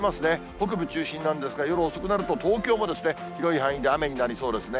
北部中心なんですが、夜遅くになると、東京も広い範囲で雨になりそうですね。